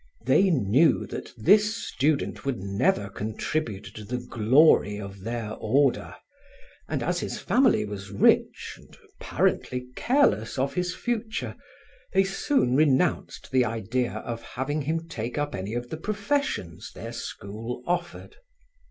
They knew that this student would never contribute to the glory of their order, and as his family was rich and apparently careless of his future, they soon renounced the idea of having him take up any of the professions their school offered.